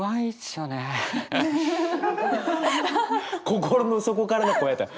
心の底からの声やった。